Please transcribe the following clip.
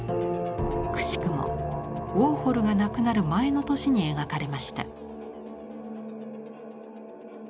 くしくもウォーホルが亡くなる前の年に描かれました。